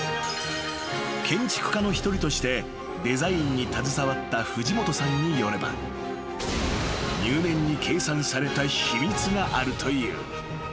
［建築家の一人としてデザインに携わった藤本さんによれば入念に計算された秘密があるという］